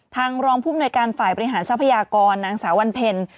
รองภูมิหน่วยการฝ่ายบริหารทรัพยากรนางสาววันเพ็ญ